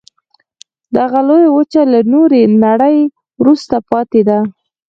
دغه لویه وچه له نورې نړۍ وروسته پاتې ده.